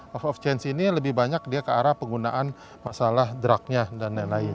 love of change ini lebih banyak dia ke arah penggunaan masalah drugnya dan lain lain